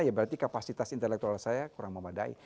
ya berarti kapasitas intelektual saya kurang memadai